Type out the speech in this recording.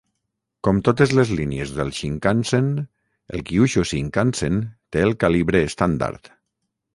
Com totes les línies del Shinkansen, el Kyushu Shinkansen té el calibre estàndard.